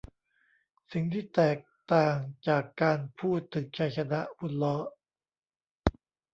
สิ่งที่แตกต่างจากการพูดถึงชัยชนะบนล้อ